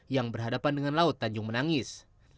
yang berhadapan dengan laut tanjung menangis